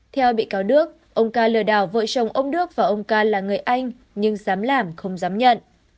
theo bị cáo đức ông cai lừa đào vội chồng ông đức và ông cai là người anh nhưng dám làm không dám nhận